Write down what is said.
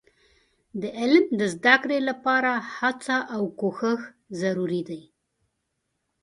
د علم د زده کړې لپاره هڅه او کوښښ ضروري دي.